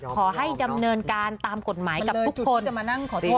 ขอให้ดำเนินการตามกฎหมายกับทุกคน